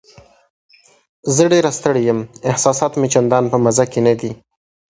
زه ډېره ستړې یم، احساسات مې چندان په مزه کې نه دي.